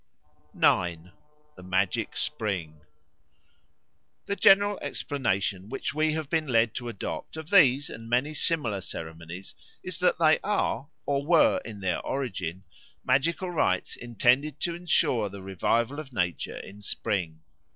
9. The Magic Spring THE GENERAL explanation which we have been led to adopt of these and many similar ceremonies is that they are, or were in their origin, magical rites intended to ensure the revival of nature in spring.